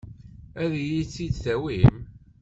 Ad iyi-tt-id-tawim?